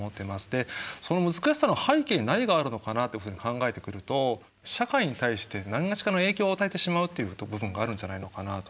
でその難しさの背景に何があるのかなというふうに考えてくると社会に対してなにがしかの影響を与えてしまうっていう部分があるんじゃないのかなと。